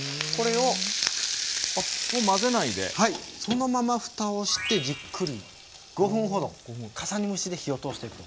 そのままふたをしてじっくり５分ほど重ね蒸しで火を通していくと。